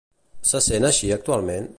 Se sent així actualment?